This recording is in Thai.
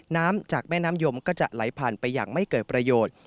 น้ำจากแม่น้ำยมก็จะไหลผ่านไปอย่างไม่เกิดประโยชน์